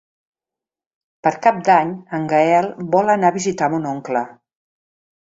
Per Cap d'Any en Gaël vol anar a visitar mon oncle.